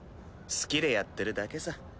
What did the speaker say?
好きでやってるだけさ。